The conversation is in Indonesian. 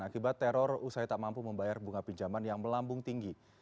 akibat teror usai tak mampu membayar bunga pinjaman yang melambung tinggi